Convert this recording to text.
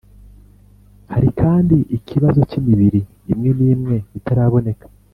hari kandi ikibazo cy imibiri imwe n imwe itaraboneka